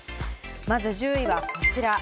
まず１０位はこちら。